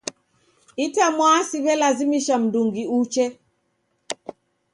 Itamwaa siw'elazimisha mndungi uche.